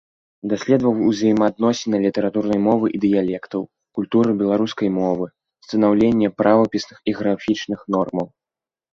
Даследаваў узаемаадносіны літаратурнай мовы і дыялектаў, культуру беларускай мовы, станаўленне правапісных і графічных нормаў.